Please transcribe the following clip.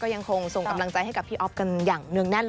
ยังคงส่งกำลังใจให้กับพี่อ๊อฟกันอย่างเนื่องแน่น